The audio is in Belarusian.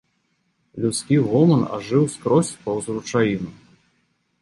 Людскі гоман ажыў скрозь паўз ручаіну.